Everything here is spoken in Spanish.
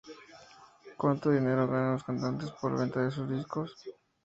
¿cuánto dinero ganan los cantantes por la venta de sus discos?